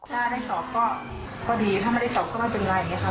ถ้าได้สอบก็ดีถ้าไม่ได้สอบก็ไม่เป็นไรอย่างนี้ค่ะ